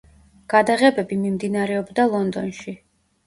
გადაღებები მიმდინარეობდა ლონდონში.